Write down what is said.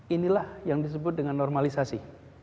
inilah yang disebut dengan normalisasi